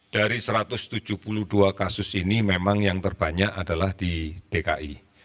dari satu ratus tujuh puluh dua kasus ini memang yang terbanyak adalah di dki